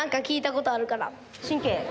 神経？